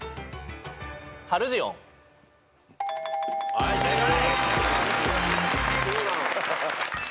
はい正解。